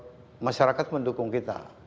untuk merangsang masyarakat mendukung kita